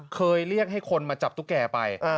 เคยเรียกให้คนมาจับตุ๊กแก่ไป